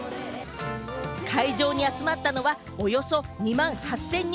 会場に集まったのはおよそ２万８０００人。